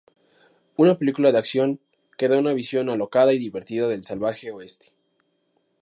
Una película de acción que da una visión alocada y divertida del salvaje Oeste.